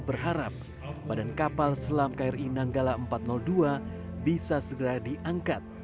berharap badan kapal selam kri nanggala empat ratus dua bisa segera diangkat